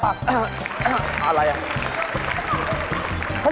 อะไรอ่ะ